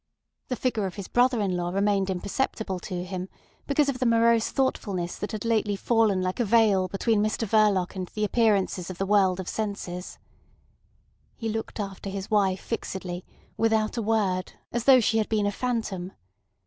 The figure of his brother in law remained imperceptible to him because of the morose thoughtfulness that lately had fallen like a veil between Mr Verloc and the appearances of the world of senses. He looked after his wife fixedly, without a word, as though she had been a phantom.